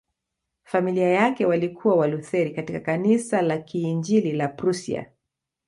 Familia yake walikuwa Walutheri katika Kanisa la Kiinjili la Prussia.